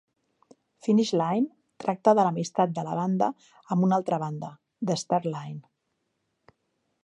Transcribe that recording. "Finish Line" tracta de l'amistat de la banda amb una altra banda, The Start Line.